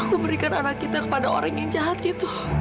aku berikan anak kita kepada orang yang jahat gitu